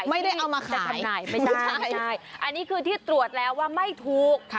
ไม่ได้เอามาขายจำหน่ายไม่ใช่อันนี้คือที่ตรวจแล้วว่าไม่ถูก